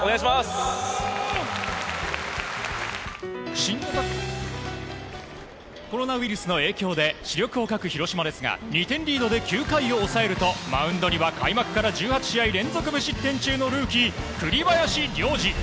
新型コロナウイルスの影響で主力を欠く広島ですが２点リードで９回を抑えるとマウンドには開幕から１８試合連続無失点中のルーキー栗林良吏。